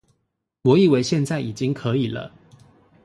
我以為現在已經可以了